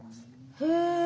へえ。